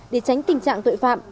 để tránh tình trạng tội phạm